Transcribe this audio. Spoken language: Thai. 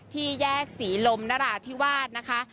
ที่แยกศรีลมนราธิวาสนะคะ